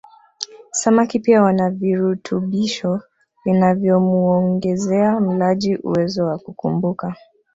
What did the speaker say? Samaki pia wana virutubisho vinavyomuongezea mlaji uwezo wa kukumbuka